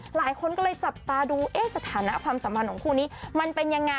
หลายคนก็เลยจับตาดูเอ๊ะสถานะความสัมพันธ์ของคู่นี้มันเป็นยังไง